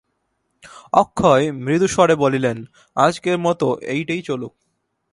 অক্ষয় মৃদুস্বরে বলিলেন, আজকের মতো এইটেই চলুক।